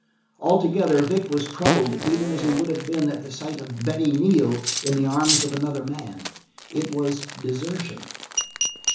Altogether, Vic was troubled even as he would have been at the sight of Betty Neal in the arms of another man. It was desertion.